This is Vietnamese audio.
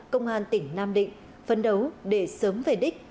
công an tỉnh nam định phấn đấu để sớm về đích